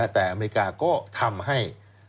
แต่อเมริกาก็ทำให้